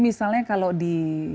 misalnya kalau di